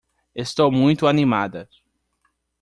Estou muito animada